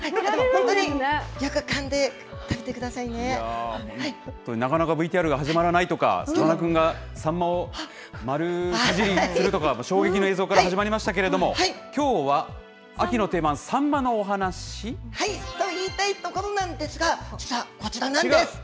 本当になかなかＶＴＲが始まらないとか、さかなクンがサンマを丸かじりするとか、衝撃の映像から始まりましたけれども、きょと言いたいところなんですが、さあ、こちらなんです。